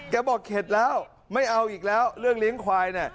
บอกเข็ดแล้วไม่เอาอีกแล้วเรื่องเลี้ยงควายเนี่ย